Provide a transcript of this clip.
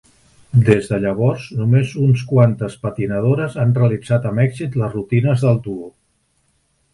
Des de llavors, només uns quantes patinadores han realitzat amb èxit les rutines del duo.